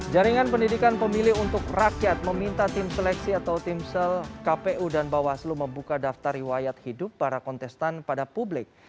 jaringan pendidikan pemilih untuk rakyat meminta tim seleksi atau timsel kpu dan bawaslu membuka daftar riwayat hidup para kontestan pada publik